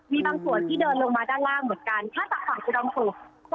มีบางส่วนที่เดินลงมาด้านล่างเหมือนกันถ้าต่างข้างกลางเถอะ